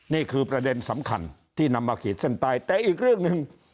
นี่คือประเด็นสำคัญที่นำมาขีดเส้นใต้แต่อีกเรื่องหนึ่ง